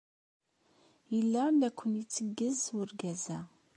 Yella la kent-yetteggez urgaz-a?